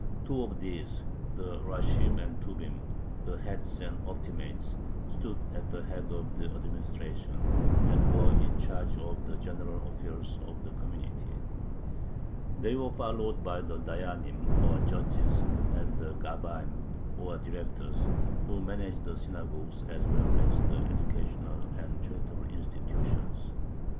Two of these, the rashim and tubim (the "heads" and "optimates"), stood at the head of the administration, and were in charge of the general affairs of the community. They were followed by the dayyanim, or judges, and the gabbaim, or directors, who managed the synagogues as well as the educational and charitable institutions.